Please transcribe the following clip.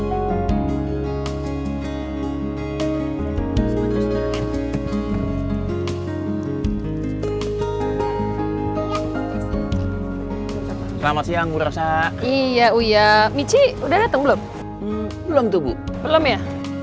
selamat siang burasa iya uya michi udah dateng belum belum tubuh belum ya